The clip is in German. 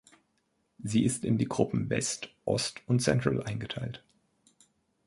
Sie ist in die Gruppen West, Ost und Central eingeteilt.